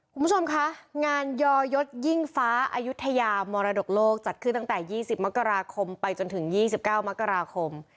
คุณผู้ชมคะงานยอยศยิ่งฟ้าอายุทยามรดกโลกจัดขึ้นตั้งแต่๒๐มกราคมไปจนถึง๒๙มกราคม